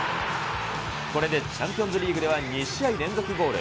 これでチャンピオンズリーグでは２試合連続ゴール。